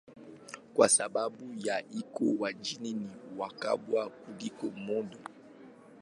Kwa sababu ya hiyo majike ni wakubwa kuliko madume.